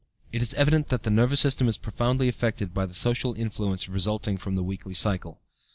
It is evident that the nervous system is profoundly affected by the social influences resulting from the weekly cycle.